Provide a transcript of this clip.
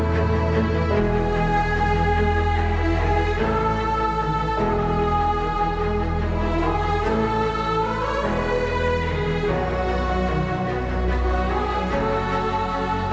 ชูเวทตีแสดหน้า